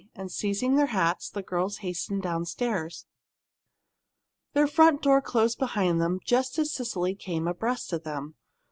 And seizing their hats, the girls hastened downstairs. Their front door closed behind them just as Cecily came abreast of them.